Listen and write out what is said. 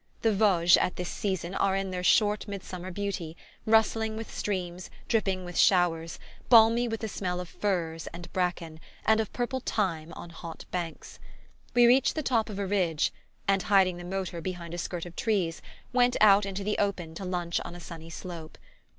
The Vosges, at this season, are in their short midsummer beauty, rustling with streams, dripping with showers, balmy with the smell of firs and braken, and of purple thyme on hot banks. We reached the top of a ridge, and, hiding the motor behind a skirt of trees, went out into the open to lunch on a sunny slope.